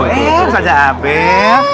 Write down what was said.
eh ustazah abel